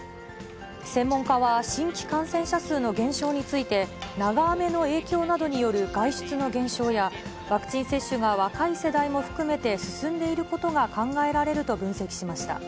専門家は、新規感染者数の減少について、長雨の影響などによる外出の減少や、ワクチン接種が若い世代も含めて進んでいることが考えられると分析しました。